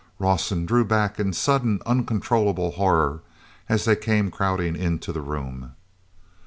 Rawson drew back in sudden uncontrollable horror as they came crowding into the room.